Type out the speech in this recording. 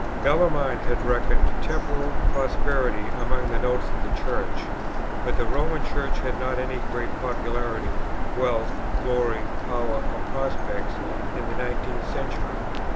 Bellarmine had reckoned Temporal Prosperity among the Notes of the Church; but the Roman Church had not any great popularity, wealth, glory, power, or prospects, in the nineteenth century.